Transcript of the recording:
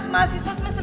mahasiswa semester tiga